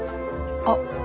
あっ。